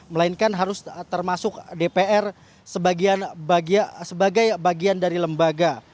melainkan harus termasuk dpr sebagai bagian dari lembaga